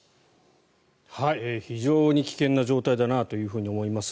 非常に危険な状態だなと思います。